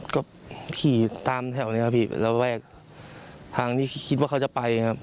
ก็ขี่ตามแถวนี้ครับพี่ระแวกทางที่คิดว่าเขาจะไปครับ